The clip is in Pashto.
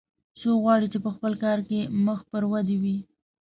څوک غواړي چې په خپل کار کې مخ پر ودې وي